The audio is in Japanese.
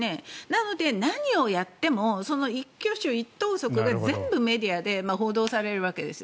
なので、何をやっても一挙手一投足が全部メディアで報道されるわけです。